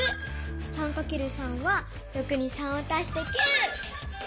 ３×３は６に３を足して９。